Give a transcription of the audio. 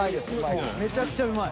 めちゃくちゃうまい。